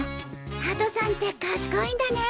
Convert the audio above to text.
ハトさんって賢いんだね。